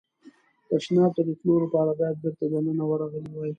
تشناب ته د تلو لپاره باید بېرته دننه ورغلی وای.